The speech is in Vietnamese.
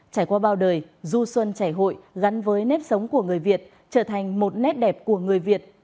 trải qua bao đời du xuân chảy hội gắn với nếp sống của người việt trở thành một nét đẹp của người việt